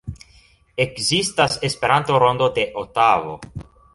Ekzistas Esperanto-Rondo de Otavo.